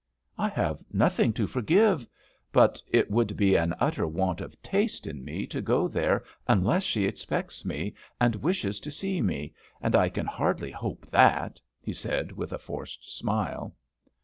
"I have nothing to forgive; but it would be an utter want of taste in me to go there unless she expects me, and wishes to see me, and I can hardly hope that," he said, with a forced smile.